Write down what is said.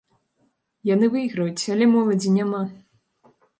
Яны выйграюць, але моладзі няма.